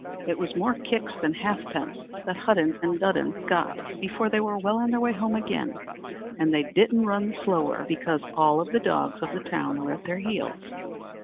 It was more kicks than halfpence that Hudden and Dudden got before they were well on their way home again, and they didn't run the slower because all the dogs of the town were at their heels.